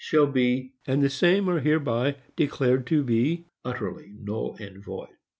shall be, and the same are hereby, declared to be utterly null and void."